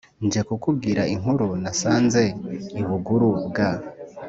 Nje kukubwira inkuru nasanze i Buguru* bwa